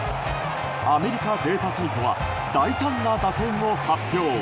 アメリカデータサイトは大胆な打線を発表。